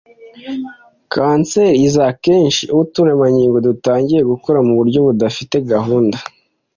Kanseri iza akenshi iyo utu turemangingo dutangiye gukura mu buryo budafite gahunda